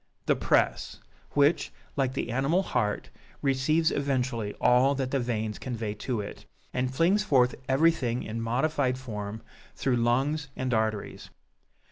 THE PRESS; which, like the animal heart, receives eventually all that the veins convey to it, and flings forth everything in modified form through lungs and arteries.